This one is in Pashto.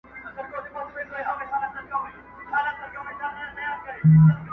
که رضا وي که په زور وي زې کوومه,